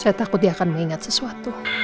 saya takut dia akan mengingat sesuatu